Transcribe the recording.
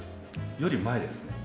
より前ですね。